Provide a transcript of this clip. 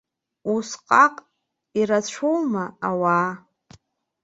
Усҟак ирацәоума ауаа?